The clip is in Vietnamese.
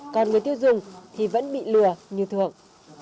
còn người tiêu dùng thì vẫn bị lừa như thường